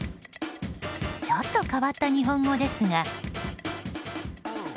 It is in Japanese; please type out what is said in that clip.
ちょっと変わった日本語ですが。